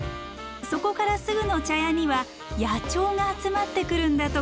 そこからすぐの茶屋には野鳥が集まってくるんだとか。